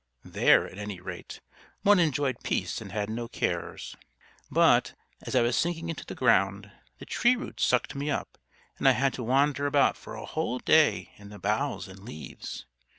There, at any rate, one enjoyed peace and had no cares. But, as I was sinking into the ground, the tree roots sucked me up, and I had to wander about for a whole day in the boughs and leaves.